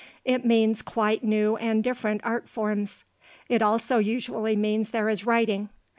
It means quite new and different art forms. It also usually means there is writing.